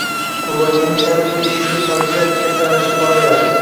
Ulgʻayganim sari bu ishingiz qalbimda kattarib boraverdi.